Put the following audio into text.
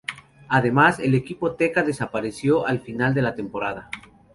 Además, el equipo Teka desapareció al final de la temporada.